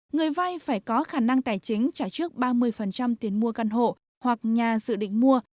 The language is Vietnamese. người vay phải có khả năng tài chính trả trước ba mươi tiền mua căn hộ hoặc nhà dự định mua